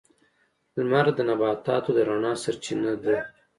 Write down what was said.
• لمر د نباتاتو د رڼا سرچینه ده.